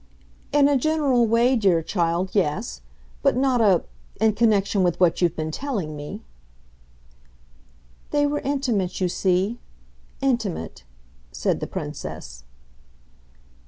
"In a general way, dear child, yes. But not a in connexion with what you've been telling me." "They were intimate, you see. Intimate," said the Princess.